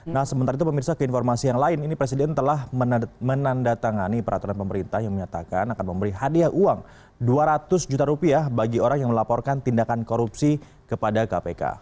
nah sementara itu pemirsa ke informasi yang lain ini presiden telah menandatangani peraturan pemerintah yang menyatakan akan memberi hadiah uang dua ratus juta rupiah bagi orang yang melaporkan tindakan korupsi kepada kpk